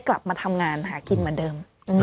กลับมาทำงานหากินเหมือนเดิม